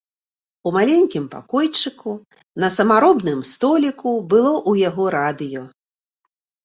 У маленькім пакойчыку, на самаробным століку, было ў яго радыё.